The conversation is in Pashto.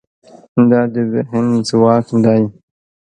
دا د ذهن ځواک دی.